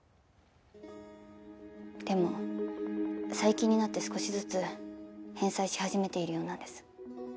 でも最近になって少しずつ返済し始めているようなんです。